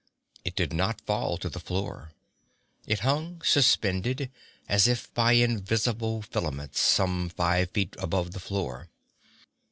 It did not fall to the floor. It hung suspended, as if by invisible filaments, some five feet above the floor.